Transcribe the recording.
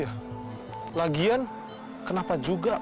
aku akan dihabisi juga